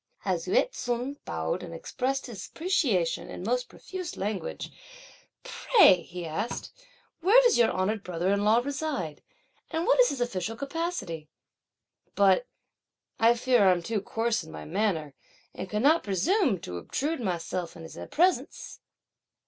As Yü ts'un bowed and expressed his appreciation in most profuse language, "Pray," he asked, "where does your honoured brother in law reside? and what is his official capacity? But I fear I'm too coarse in my manner, and could not presume to obtrude myself in his presence."